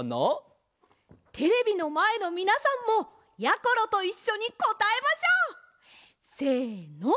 テレビのまえのみなさんもやころといっしょにこたえましょう！せの！